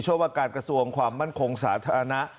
ว่าการกระทรวงความมั่นคงสาธารณะ